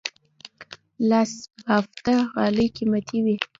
لاس بافته غالۍ قیمتي وي.